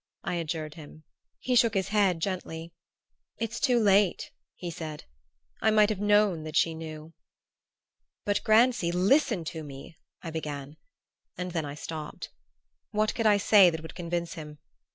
I adjured him. He shook his head gently. "It's too late," he said. "I might have known that she knew." "But, Grancy, listen to me," I began; and then I stopped. What could I say that would convince him?